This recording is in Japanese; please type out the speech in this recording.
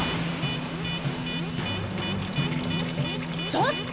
ちょっと！